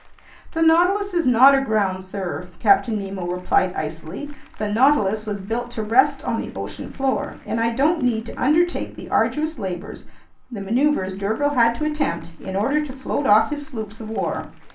"The Nautilus is not aground, sir," Captain Nemo replied icily. "The Nautilus was built to rest on the ocean floor, and I don't need to undertake the arduous labors, the maneuvers d'Urville had to attempt in order to float off his sloops of war.